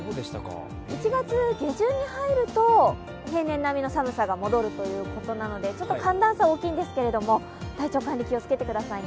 １月下旬に入ると平年並みの寒さが戻るということなので、ちょっと寒暖差が大きいんですけれども、体調管理気をつけてくださいね。